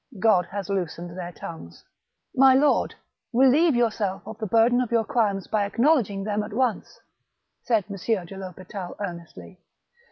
God has loosened their tongues." " My lord ! relieve yourself of the burden of your crimes by acknowledging them at once," said M. de FHospital earnestly.